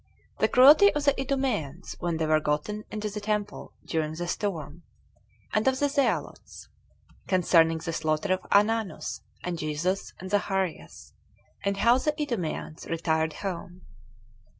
The Cruelty Of The Idumeans When They Were Gotten Into The Temple During The Storm; And Of The Zealots. Concerning The Slaughter Of Ananus, And Jesus, And Zacharias; And How The Idumeans Retired Home.